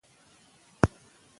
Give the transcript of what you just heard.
د اوبو په څیر روان اوسئ.